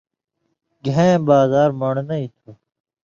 گَھئین بازار مَڑنئی تُھو؟